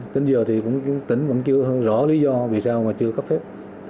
đến giờ thì tỉnh vẫn chưa rõ lý do vì sao mà chưa cấp phép